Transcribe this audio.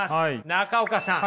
中岡さん。